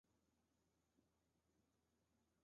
万历四年丙子科举人。